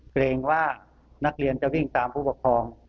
เกรงว่านักเรียนจะวิ่งตามผู้ปกครอง